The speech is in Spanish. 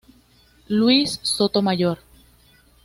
Luis Sotomayor